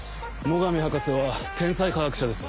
最上博士は天才科学者です。